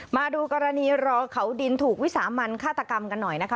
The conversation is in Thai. มาดูกรณีรอเขาดินถูกวิสามันฆาตกรรมกันหน่อยนะคะ